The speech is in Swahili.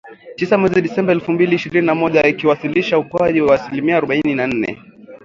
Tisa mwezi Disemba elfu mbili ishirini na moja , ikiwasilisha ukuaji wa asilimia arubaini na nne